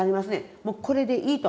もうこれでいいと。